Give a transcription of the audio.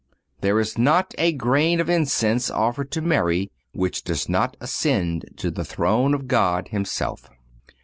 There is not a grain of incense offered to Mary which does not ascend to the throne of God Himself.